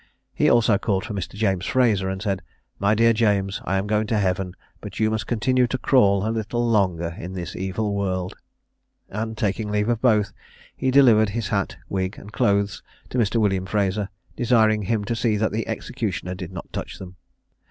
He also called for Mr. James Fraser, and said, "My dear James, I am going to heaven; but you must continue to crawl a little longer in this evil world." And, taking leave of both, he delivered his hat, wig, and clothes, to Mr. William Fraser, desiring him to see that the executioner did not touch them.